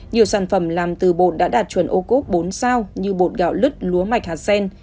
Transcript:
nhiều sản phẩm làm từ bột đã đạt chuẩn ô cốp bốn sao như bột gạo lứt lúa mạch hạt sen